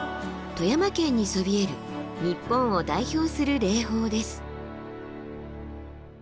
富山県にそびえる日本を代表する霊峰です。